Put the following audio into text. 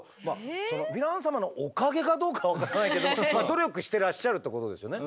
そのヴィラン様のおかげかどうか分からないけど努力してらっしゃるってことですよね。